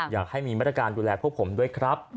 อยากให้มีมาตรการดูแลพวกผมด้วยครับ